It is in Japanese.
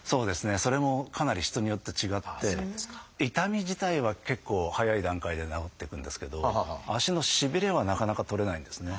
それもかなり人によって違って痛み自体は結構早い段階で治っていくんですけど足のしびれはなかなか取れないんですね。